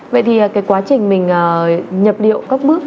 vậy thì cái quá trình mình nhập điệu các bước